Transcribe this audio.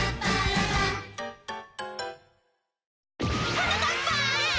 はなかっぱ！